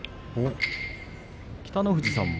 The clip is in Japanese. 北の富士さんも。